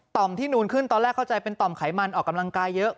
มที่นูนขึ้นตอนแรกเข้าใจเป็นต่อมไขมันออกกำลังกายเยอะ